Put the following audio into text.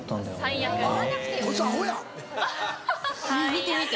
見て見て！